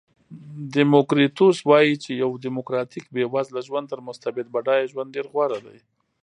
دیموکریتوس وایي چې یو دیموکراتیک بېوزله ژوند تر مستبد بډایه ژوند ډېر غوره دی.